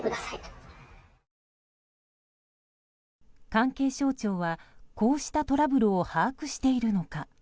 関係省庁はこうしたトラブルを把握しているのか。